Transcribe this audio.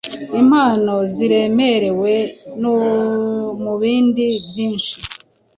Impano ziremewe mubindi byinshi